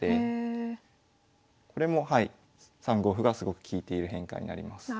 これも３五歩がすごく利いている変化になります。